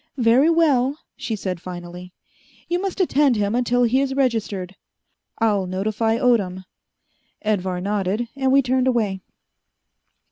"Very well," she said finally, "you must attend him until he is registered. I'll notify Odom." Edvar nodded, and we turned away.